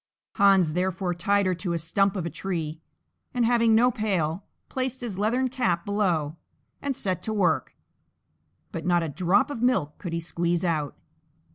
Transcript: Hans, therefore tied her to a stump of a tree, and, having no pail, placed his leathern cap below, and set to work, but not a drop of milk could he squeeze out.